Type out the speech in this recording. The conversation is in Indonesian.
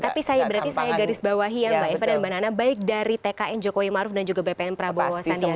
tapi saya garis bawahi ya mbak eva dan mbak nana baik dari tkn jokowi maruf dan juga bpn prabowo sandiaga